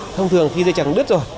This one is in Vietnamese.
thông thường khi dây chằn đứt rồi